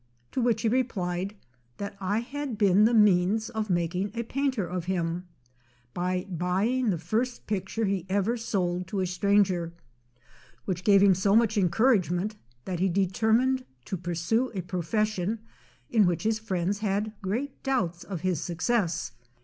To which he replied, that I had been the means of making a painter of him, by buying the first picture he ever sold to a stranger; which gave him so much en couragement, that he determined to pursue a profession in which his friends had great doubts of his success.